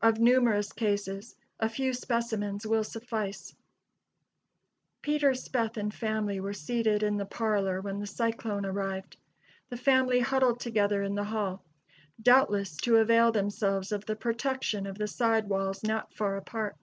Of numerous cases, a few specimens will suffice: Peter Speth and family were seated in the parlor when the cyclone arrived. The family huddled together in the hall, doubtless to avail themselves of the protection of the side walls not far apart.